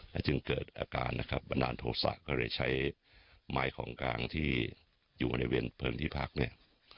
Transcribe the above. และจึงเกิดอาการนะครับบันดาลโทษะก็เลยใช้ไม้ของกลางที่อยู่บริเวณเพลิงที่พักเนี่ย